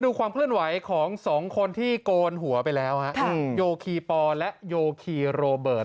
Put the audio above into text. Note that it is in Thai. ดูความเคลื่อนไหวของสองคนที่โกนหัวไปแล้วฮะโยคีปอและโยคีโรเบิร์ต